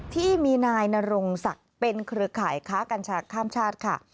ที่มีนายนรงศักดิ์เป็นเครือข่ายค้ากัญชาข้ามชาติค่ะ